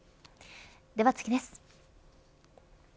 では次です。